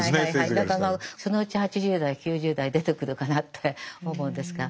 だからそのうち８０代９０代出てくるかなって思うんですが。